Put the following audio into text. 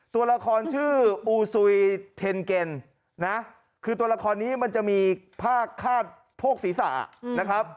ตัวละครชื่ออูซุยเทนเก็นนะคือตัวละครนี้มันจะมีผ้าคาดโพกศีรษะนะครับ